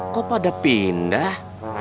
kok pada pindah